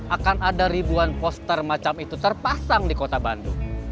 akan ada ribuan poster macam itu terpasang di kota bandung